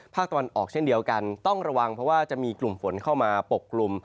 ภาคตะวันออกเช่นเดียวกันต้องระวังเพราะว่าจะมีกลุ่มฝนเข้ามาปกกลุ่ม